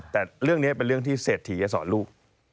แต่เรื่องนี้เป็นเรื่องที่เศรษฐีจะสอนลูก